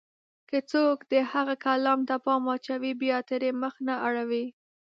که څوک د هغه کلام ته پام واچوي، بيا ترې مخ نه اړوي.